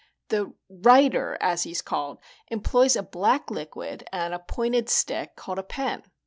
The writer, as he's called, employs a black liquid and a pointed stick called a pen.